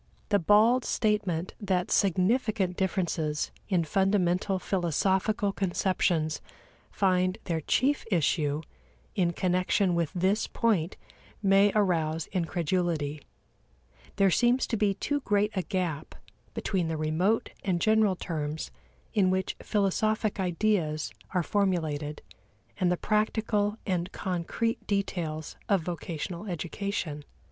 The bald statement that significant differences in fundamental philosophical conceptions find their chief issue in connection with this point may arouse incredulity: there seems to be too great a gap between the remote and general terms in which philosophic ideas are formulated and the practical and concrete details of vocational education.